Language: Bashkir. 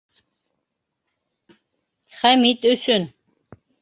Хәмит өсөн.